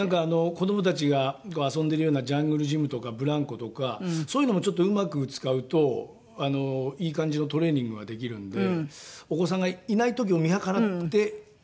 子どもたちが遊んでるようなジャングルジムとかブランコとかそういうのもちょっとうまく使うといい感じのトレーニングができるんでお子さんがいない時を見計らってやってます。